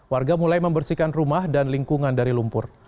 warga mulai membersihkan rumah dan lingkungan dari lumpur